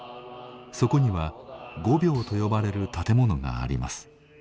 そこには御廟と呼ばれる建物があります。